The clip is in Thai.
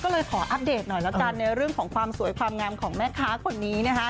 ก็เลยขออัปเดตหน่อยแล้วกันในเรื่องของความสวยความงามของแม่ค้าคนนี้นะคะ